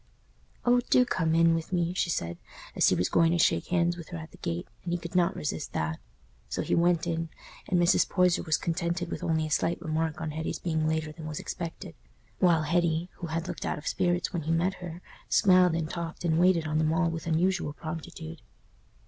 "Oh, do come in with me!" she said, as he was going to shake hands with her at the gate, and he could not resist that. So he went in, and Mrs. Poyser was contented with only a slight remark on Hetty's being later than was expected; while Hetty, who had looked out of spirits when he met her, smiled and talked and waited on them all with unusual promptitude.